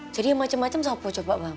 jadi yang macem macem siapa coba bang